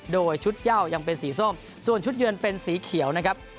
โดยชุดย่าวยังเป็นสีส้มส่วนชุดเยือนเป็นสีเขียวนะครับ